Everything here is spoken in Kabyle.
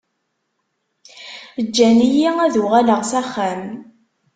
Ǧǧan-iyi ad uɣaleɣ s axxam.